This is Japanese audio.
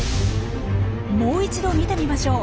もう一度見てみましょう。